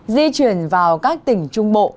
di chuyển vào các tỉnh trung bộ